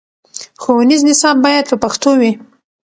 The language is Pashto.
ښوونیز نصاب باید په پښتو وي.